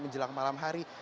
menjelang malam hari